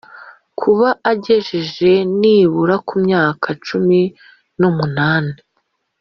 kuba agejeje nibura ku myaka cumi n’umunani